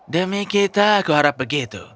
demikita aku harap begitu